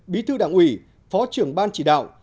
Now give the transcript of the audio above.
bí thư đảng ủy phó trưởng ban chỉ đạo